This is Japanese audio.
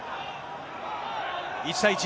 １対１。